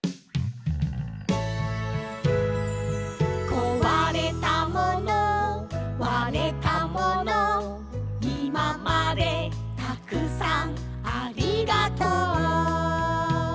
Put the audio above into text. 「壊れたもの割れたもの」「今までたくさんありがとう」